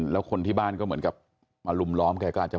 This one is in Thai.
แล้วคนที่บ้านก็เหมือนกับมาลุมล้อมแกก็อาจจะ